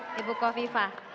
terima kasih di bukofifa